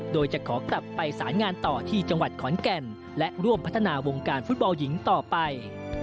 โดยจะขอกลับไปสารงานต่อที่จังหวัดขอนแก่นและร่วมพัฒนาวงการฟุตบอลหญิงต่อไป